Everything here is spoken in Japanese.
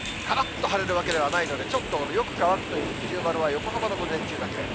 からっと晴れるわけではないので、ちょっとよく乾くという二重丸は横浜の午前中だけ。